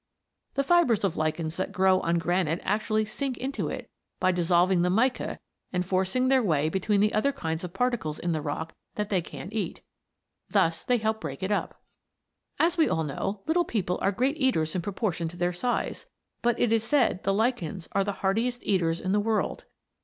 The fibres of lichens that grow on granite actually sink into it by dissolving the mica and forcing their way between the other kinds of particles in the rock that they can't eat. Thus they help break it up. As we all know, little people are great eaters in proportion to their size, but it is said the lichens are the heartiest eaters in the world.